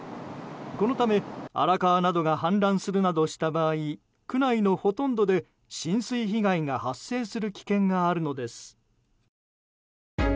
このため荒川などが氾濫するなどした場合区内のほとんどで浸水被害が発生する危険があるのです。